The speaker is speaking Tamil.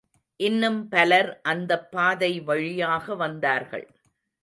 இன்னும் பலர் அந்தப்பாதை வழியாக வந்தார்கள்.